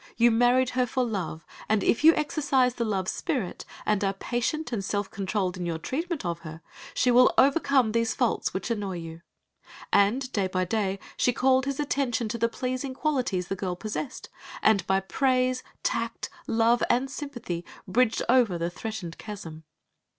You married her for love, and if you exercise the love spirit, and are patient and self controlled in your treatment of her, she will overcome these faults which annoy you." And day by day she called his attention to the pleasing qualities the girl possessed, and by praise, tact, love, and sympathy bridged over the threatened chasm.